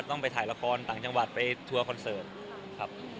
ต้องไปถ่ายละครต่างจังหวัดไปทัวร์คอนเสิร์ตครับ